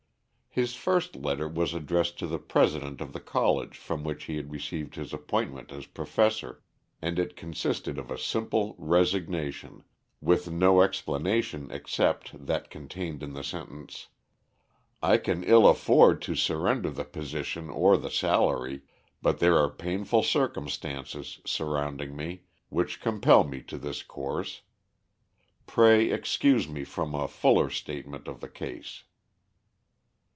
His first letter was addressed to the president of the college from which he had received his appointment as professor, and it consisted of a simple resignation, with no explanation except that contained in the sentence: "I can ill afford to surrender the position or the salary, but there are painful circumstances surrounding me, which compel me to this course. Pray excuse me from a fuller statement of the case."